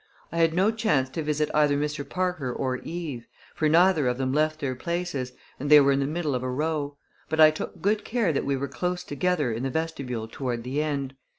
I had no chance to visit either Mr. Parker or Eve, for neither of them left their places and they were in the middle of a row; but I took good care that we were close together in the vestibule toward the end.